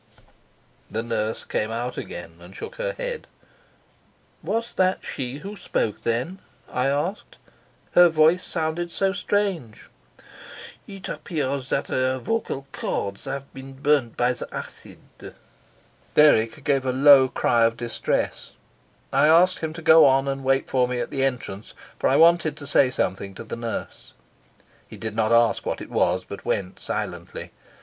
The nurse came out again and shook her head. "Was that she who spoke then?" I asked. "Her voice sounded so strange." "It appears that her vocal cords have been burnt by the acid." Dirk gave a low cry of distress. I asked him to go on and wait for me at the entrance, for I wanted to say something to the nurse. He did not ask what it was, but went silently.